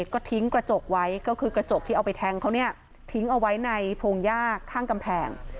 ก็ทิ้งกระจกไว้ก็คือกระจกที่เอาไปแทงเขาเนี่ยทิ้งเอาไว้ในพงหญ้าข้างกำแพง